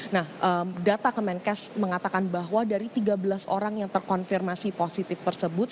nah data kemenkes mengatakan bahwa dari tiga belas orang yang terkonfirmasi positif tersebut